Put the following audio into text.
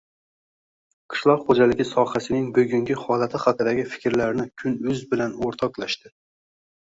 qishloq xo‘jaligi sohasining bugungi holati haqidagi fikrlarini Kun.uz bilan o‘rtoqlashdi.